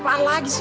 tuh kan bener